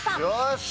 よし！